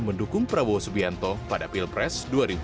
mendukung prabowo subianto pada pilpres dua ribu sembilan belas